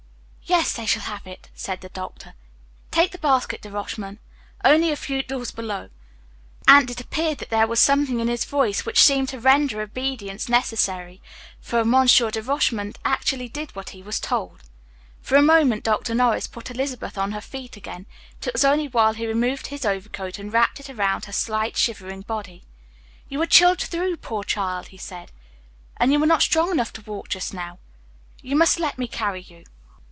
"Yes, they shall have it," said the Doctor. "Take the basket, De Rochemont only a few doors below." And it appeared that there was something in his voice which seemed to render obedience necessary, for Monsieur de Rochemont actually did as he was told. For a moment Dr. Norris put Elizabeth on her feet again, but it was only while he removed his overcoat and wrapped it about her slight shivering body. "You are chilled through, poor child," he said; "and you are not strong enough to walk just now. You must let me carry you."